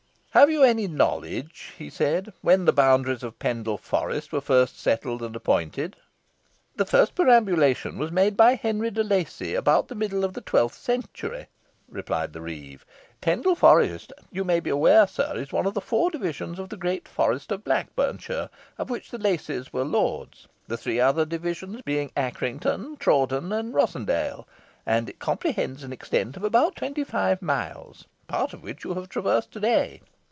"Have you any knowledge," he said, "when the boundaries of Pendle Forest were first settled and appointed?" "The first perambulation was made by Henry de Lacy, about the middle of the twelfth century," replied the reeve. "Pendle Forest, you may be aware, sir, is one of the four divisions of the great forest of Blackburnshire, of which the Lacys were lords, the three other divisions being Accrington, Trawden, and Rossendale, and it comprehends an extent of about twenty five miles, part of which you have traversed to day.